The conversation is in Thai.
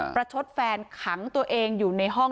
ประชดแฟนขังตัวเองอยู่ในห้อง